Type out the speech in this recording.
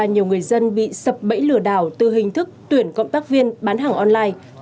nhiều người dân bị sập bẫy lửa đảo từ hình thức tuyển công tác viên bán hàng online